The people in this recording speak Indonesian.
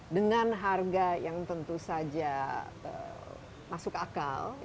dengan harga yang tentu saja masuk akal